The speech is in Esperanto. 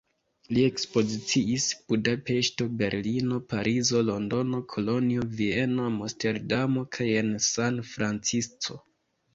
Li ekspoziciis Budapeŝto, Berlino, Parizo, Londono, Kolonjo, Vieno, Amsterdamo kaj en San Francisco.